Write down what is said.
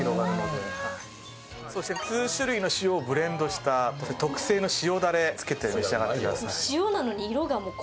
数種類の塩をブレンドした、特製の塩だれをつけて召し上がってください。